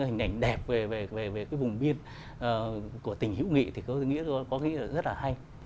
hình ảnh đẹp về cái vùng biên của tình hữu nghị thì có nghĩa là rất là hay